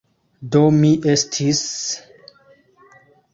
Do mi estis...